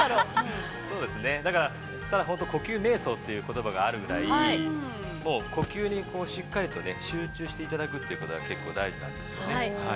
◆だから、呼吸瞑想という言葉があるぐらい、呼吸にしっかりと集中していただくということが結構大事だと思うんですよね。